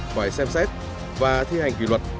phải xem xét và thi hành kỳ luật